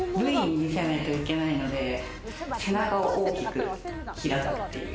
Ｖに見せないといけないので、背中を大きく開くっていう。